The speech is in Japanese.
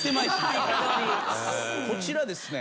こちらですね。